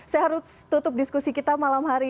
saya harus tutup diskusi kita malam hari ini